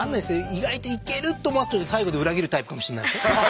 意外といけるって思わせといて最後で裏切るタイプかもしれないですよ。